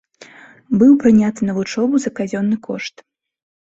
Быў прыняты на вучобу за казённы кошт.